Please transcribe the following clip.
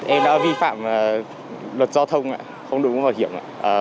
em đã vi phạm luật giao thông không đội ngũ bảo hiểm